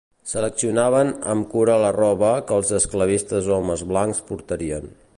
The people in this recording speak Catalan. Seleccionaven amb cura la roba que els esclavistes homes blancs portarien.